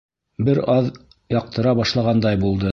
Бер аҙ яҡтыра башлағандай булды.